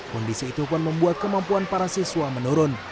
kondisi itu pun membuat kemampuan para siswa menurun